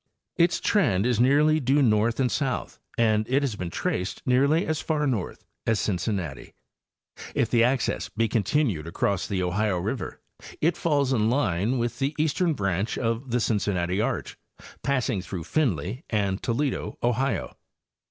Its trend is nearly due north and south, and it has been traced nearly as far north as Cincinnati. If the axis be continued across the Ohio river it falls in line With the eastern branch of the Cincin nati arch passing through Findlay and Toledo, Ohio.